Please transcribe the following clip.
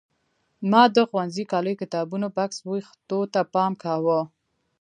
ما د ښوونځي کالیو کتابونو بکس وېښتو ته پام کاوه.